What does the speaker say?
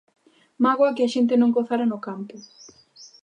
Mágoa que a xente non gozara no campo.